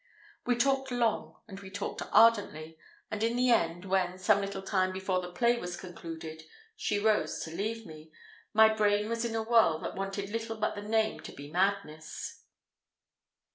We talked long, and we talked ardently, and in the end, when, some little time before the play was concluded, she rose to leave me, my brain was in a whirl that wanted little but the name to be madness.